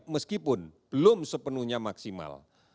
meskipun belum sepenuhnya maksimal